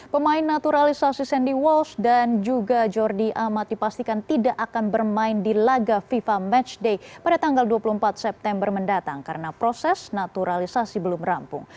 pemain naturalisasi sandy walsh dan juga jordi amat dipastikan tidak akan bermain di laga fifa matchday pada tanggal dua puluh empat september mendatang karena proses naturalisasi belum rampung